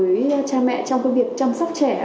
đối với cha mẹ trong việc chăm sóc trẻ